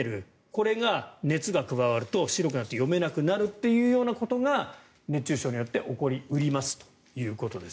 これが熱が加わると白くなって読めなくなるというようなことが熱中症によって起こり得ますということです。